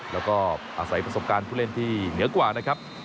แล้วก็อาศัยประสบการณ์ผู้เล่นที่เหนือกว่านะครับ